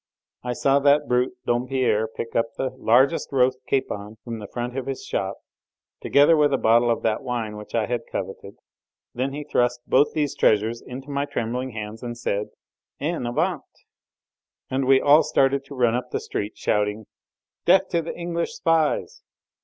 I saw that brute Dompierre pick up the largest roast capon from the front of his shop, together with a bottle of that wine which I had coveted; then he thrust both these treasures into my trembling hands and said: "En avant!" And we all started to run up the street, shouting: "Death to the English spies!"